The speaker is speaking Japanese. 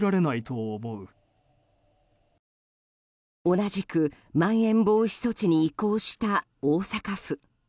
同じく、まん延防止措置に移行した大阪府。